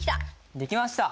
できました！